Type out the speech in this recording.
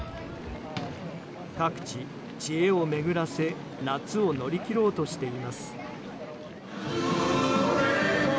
各地、知恵を巡らせ夏を乗り切ろうとしています。